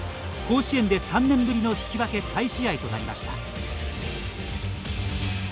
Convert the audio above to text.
甲子園で３年ぶりの引き分け再試合となりました。